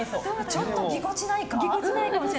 ちょっとぎこちないか？